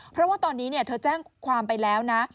เพราะว่าตอนนี้เธอแจ้งความไปแล้วนะ